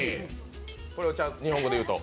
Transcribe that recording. これを日本語で言うと？